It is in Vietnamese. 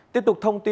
tiếp tục thông tin